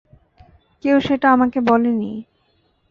কেউ সেটা আমাকে বলে নি।